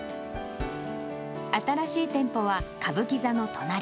新しい店舗は歌舞伎座の隣。